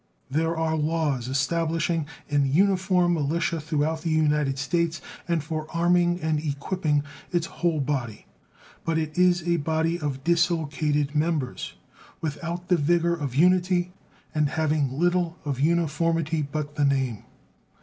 There are laws establishing an uniform militia throughout the United States and for arming and equipping its whole body. But it is a body of dislocated members, without the vigor of unity and having little of uniformity but the name.